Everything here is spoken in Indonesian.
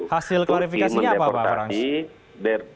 hasil klarifikasinya apa pak frans